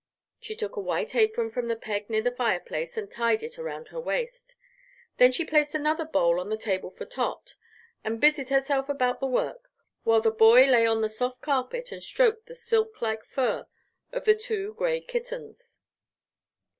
She took a white apron from the peg near the fireplace and tied it around her waist. Then she placed another bowl on the table for Tot, and busied herself about the work while the boy lay on the soft carpet and stroked the silk like fur of the two gray kittens.